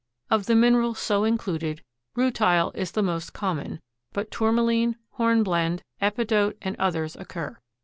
Of the minerals so included, rutile is the most common, but tourmaline, hornblende, epidote and others occur.